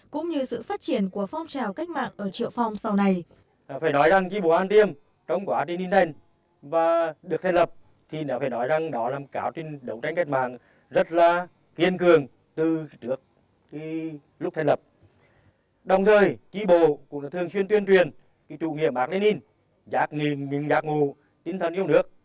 cũng như sự phát triển của phong trào cách mạng ở triệu phong sau này